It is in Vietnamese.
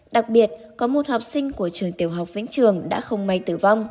đặc biệt có một học sinh của trường tiểu học vĩnh trường đã không may tử vong